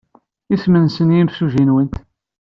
Isem-nnes yimsujji-nwent?